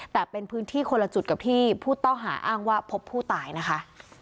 แต่เป็นพื้นที่คนละจุดกับที่ผู้ต้องหาอ้างว่าพบผู้ตายนะคะ